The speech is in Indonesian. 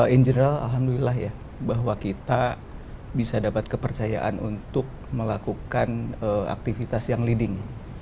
in general alhamdulillah ya bahwa kita bisa dapat kepercayaan untuk melakukan aktivitas yang leading